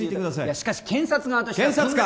しかし検察側としては検察官！